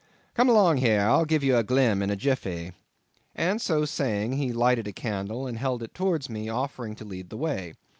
Come along here, I'll give ye a glim in a jiffy;" and so saying he lighted a candle and held it towards me, offering to lead the way.